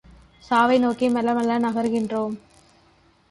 சாவை நோக்கி மெல்ல மெல்ல நகர்கின்றோம்.